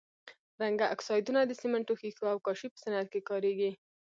رنګه اکسایدونه د سمنټو، ښيښو او کاشي په صنعت کې کاریږي.